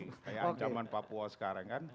kayak ancaman papua sekarang kan